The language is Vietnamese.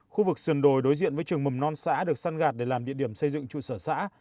khu vực sườn đồi đối diện với trường mầm non xã được săn gạt để làm địa điểm xây dựng trụ sở xã